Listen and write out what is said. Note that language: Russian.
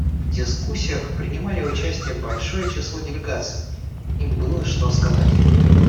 В дискуссиях принимали участие большое число делегаций; им было что сказать.